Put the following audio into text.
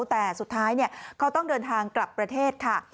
แต่สุดท้ายเขาต้องเดินทางกลับประเทศค่ะ